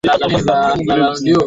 Angalau tuwe pamoja